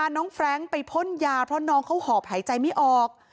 แฟรงค์ไปพ่นยาเพราะน้องเขาหอบหายใจไม่ออก